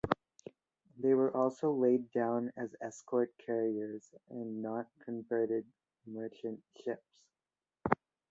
They were also laid down as escort carriers and not converted merchant ships.